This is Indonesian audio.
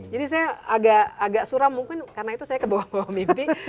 jadi saya agak suram mungkin karena itu saya kebawa bawa mimpi